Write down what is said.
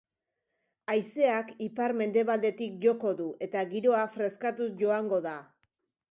Haizeak ipar-mendebaldetik joko du eta giroa freskatuz joango da.